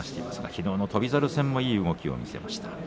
きのうの翔猿戦もいい動きを見せました。